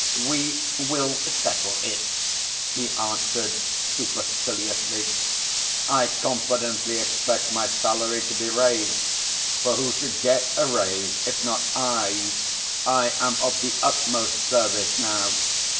"We will settle it," he answered superciliously. "I confidently expect my salary to be raised, for who should get a raise if not I? I am of the utmost service now.